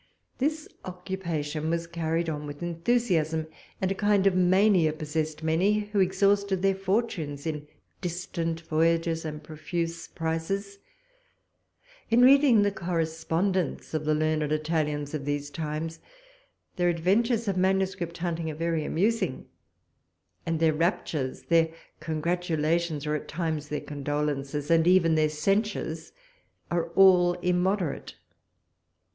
This occupation was carried on with enthusiasm, and a kind of mania possessed many, who exhausted their fortunes in distant voyages and profuse prices. In reading the correspondence of the learned Italians of these times, their adventures of manuscript hunting are very amusing; and their raptures, their congratulations, or at times their condolence, and even their censures, are all immoderate.